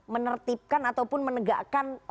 menertibkan ataupun menegakkan